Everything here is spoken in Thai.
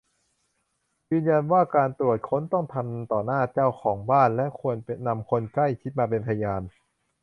ยืนยันว่าการตรวจค้นต้องทำต่อหน้าเจ้าของบ้าน และควรนำคนใกล้ชิดมาเป็นพยาน